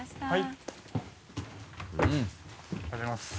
はい！